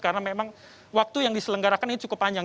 karena memang waktu yang diselenggarakan ini cukup panjang